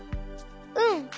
うん。